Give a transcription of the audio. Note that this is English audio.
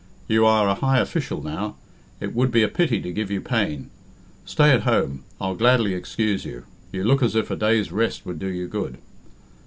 You are a high official now. It would be a pity to give you pain. Stay at home I'll gladly excuse you you look as if a day's rest would do you good."